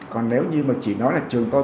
còn nếu như mà chỉ nói là trường tôi